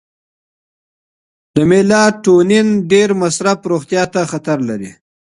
د میلاټونین ډیر مصرف روغتیا ته خطر لري.